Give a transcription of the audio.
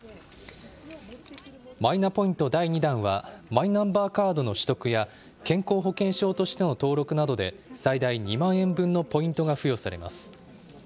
マイナポイント第２弾は、マイナンバーカードの取得や健康保険証としての登録などで、最大２万円分のポイントが付与されます。